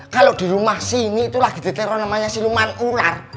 kalau di rumah sini itu lagi diteror namanya siluman ular